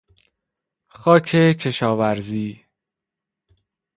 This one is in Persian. خاک کشاورزی